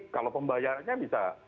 kalau pembayarannya bisa